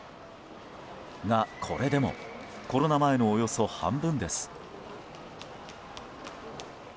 が、これでもコロナ前のおよそ半分です。